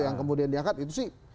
yang kemudian diangkat itu sih